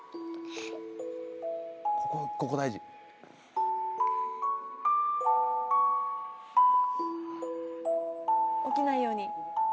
ここここ大事起きないように！